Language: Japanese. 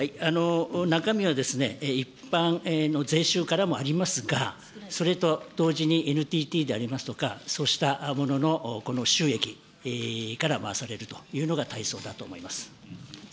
中身は一般の税収からもありますが、それと同時にＮＴＴでありますとか、そうしたものの収益から回されるというのがたいそうだと思います。